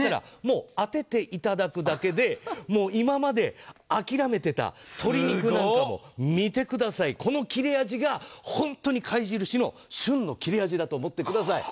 当てていただくだけで今まで諦めていた鶏肉なんかも見てください、この切れ味が貝印の旬の切れ味だと思ってください。